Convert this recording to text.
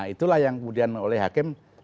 itulah yang kemudian oleh hakim